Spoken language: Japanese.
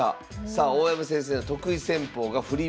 さあ大山先生の得意戦法が振り